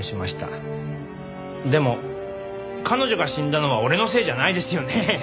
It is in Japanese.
でも彼女が死んだのは俺のせいじゃないですよね。